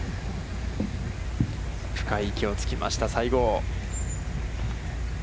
深い息をつきました、西郷。